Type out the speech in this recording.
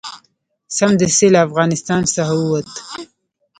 سمدستي له افغانستان څخه ووت.